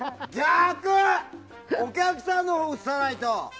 お客さんのほうを映さないと！